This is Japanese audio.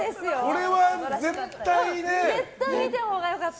これは絶対見たほうが良かった。